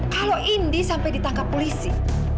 kalau indi sampai ditangkap polisi